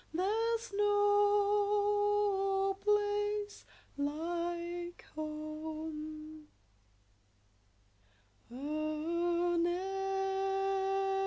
There's no place like Home!